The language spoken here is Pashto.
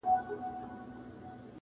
نه جوړ کړی کفن کښ پر چا ماتم وو٫